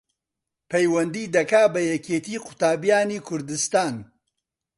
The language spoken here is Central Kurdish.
پەیوەندی دەکا بە یەکێتی قوتابیانی کوردستان